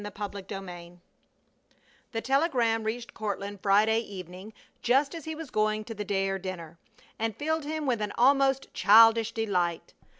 CHAPTER XI The telegram reached Courtland Friday evening, just as he was going to the Dare dinner, and filled him with an almost childish delight.